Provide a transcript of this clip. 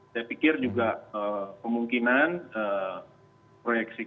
saya pikir juga kemungkinan proyeksi kami deposit mau ke bank